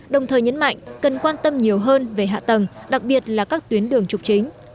đồng thời nhấn mạnh cần quan tâm nhiều hơn về hạ tầng đặc biệt là các tuyến đường trục chính